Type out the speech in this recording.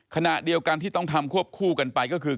ขณะเดียวกันที่ต้องทำควบคู่กันไปก็คือ